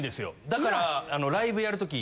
だからライブやるとき。